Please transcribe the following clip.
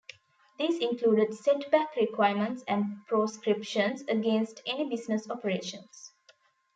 These included setback requirements and proscriptions against any business operations.